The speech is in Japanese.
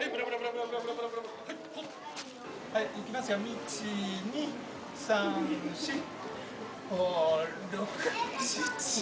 はいいきますよ１２３４５６７。